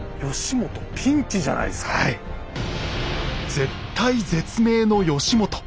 絶体絶命の義元。